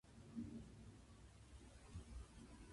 雲や煙などが遠くたなびくさま。